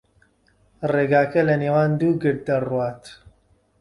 ڕێگاکە لەنێوان دوو گرد دەڕوات.